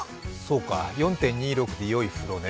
４．２６で、よい風呂ね。